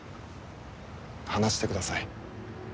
話してください。